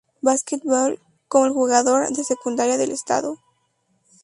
Basketball" como el mejor jugador de secundaria del estado.